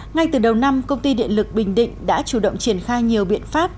ngay từ đầu năm công ty điện lực bình định đã chủ động triển khai nhiều biện pháp